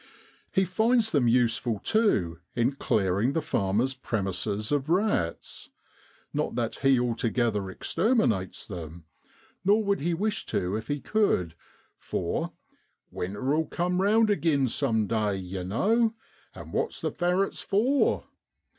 He finds them useful, too, in clearing the farmers' premises of rats; not that he altogether exterminates them, nor would he wish to if he could, for ' winter'll cum round agin sum day, yer know, an' what's the ferrets for?'